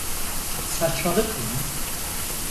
Saçmalık mı?